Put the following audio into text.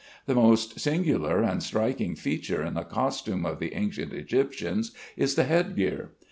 The most singular and striking feature in the costume of the ancient Egyptians is the head gear.